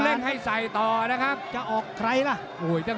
หรือว่าผู้สุดท้ายมีสิงคลอยวิทยาหมูสะพานใหม่